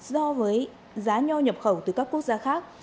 so với giá nho nhập khẩu từ các quốc gia khác